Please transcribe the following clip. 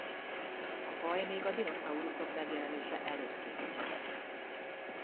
A faj még a dinoszauruszok megjelenése előtt kihalt.